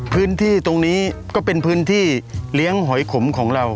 พื้นที่ตรงนี้ก็เป็นพื้นที่เลี้ยงหอยขมของเรา